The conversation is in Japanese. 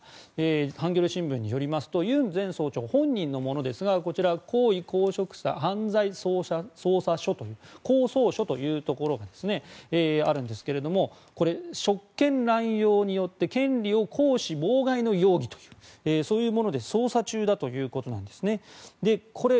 ハンギョレ新聞によりますとユン前総長が本人のものですがこちら高位公職者犯罪捜査処というところがあるんですがこれ、職権乱用によって権利を行使妨害の容疑というものでそういうもので捜査中ということなんですね。